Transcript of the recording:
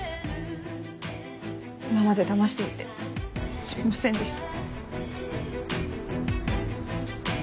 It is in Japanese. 今までだましていてすいませんでした